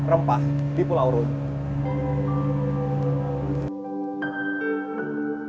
rempah di pulau rune